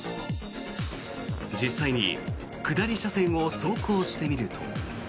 実際に下り車線を走行してみると。